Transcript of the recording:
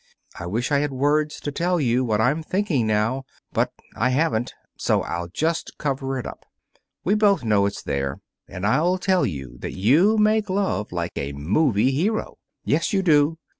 I wish I had words to tell you what I'm thinking now. But I haven't. So I'll just cover it up. We both know it's there. And I'll tell you that you make love like a 'movie' hero. Yes, you do!